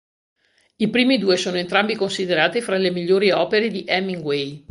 I primi due sono entrambi considerati fra le migliori opere di Hemingway.